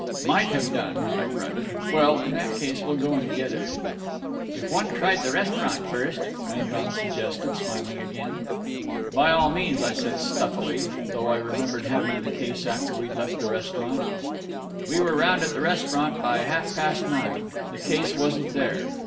"'Might have done,' I grunted.... 'Well, in that case we'll go and get it.' "'If one tried the restaurant first ?' Rangon suggested, smiling again. "'By all means,' said I stuffily, though I remembered having the case after we'd left the restaurant. "We were round at the restaurant by half past nine. The case wasn't there.